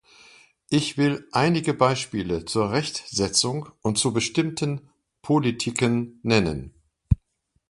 Ich will einige Beispiele zur Rechtsetzung und zu bestimmten Politiken nennen.